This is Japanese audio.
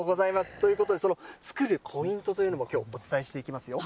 ということで、その作るポイントというのも、きょうお伝えしていきますよ。